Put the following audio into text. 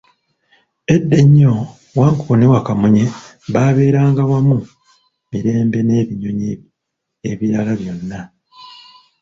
Edda ennyo, Wankoko ne Wakamunye baabeeranga wamu mirembe n'ebinyonyi ebirala byonna.